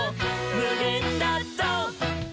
「むげんだぞう！」